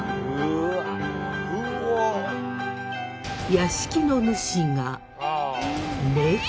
屋敷の主が猫？